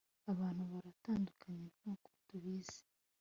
abantu baratandukanye nkuko tubizi